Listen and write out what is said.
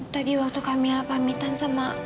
tadi waktu kami pamitan sama